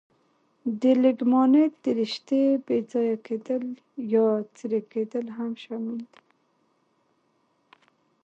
د لیګامنت د رشتې بې ځایه کېدل یا څیرې کېدل هم شامل دي.